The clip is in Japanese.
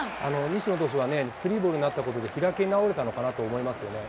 西野投手はスリーボールになったことで、開き直れたのかなと思いますよね。